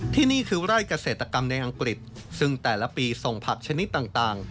ที่นี่คือไร่เกษตรกรรมในอังกฤษซึ่งแต่ละปีส่งผักชนิดต่าง